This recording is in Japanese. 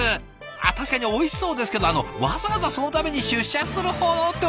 あっ確かにおいしそうですけどあのわざわざそのために出社するほど？って思ったらね